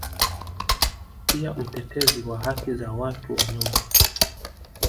Pia mtetezi wa haki za watu wanyonge